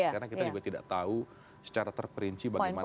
karena kita juga tidak tahu secara terperinci bagaimana mekanisme